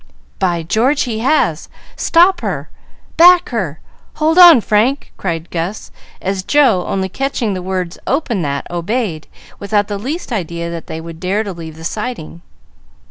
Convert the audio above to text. "By George, he has! Stop her! Back her! Hold on, Frank!" cried Gus, as Joe, only catching the words "Open that!" obeyed, without the least idea that they would dare to leave the siding.